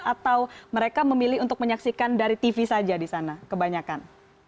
atau mereka memilih untuk menyaksikan dari tv saja di sana kebanyakan